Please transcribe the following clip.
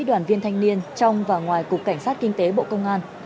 đoàn viên thanh niên trong và ngoài cục cảnh sát kinh tế bộ công an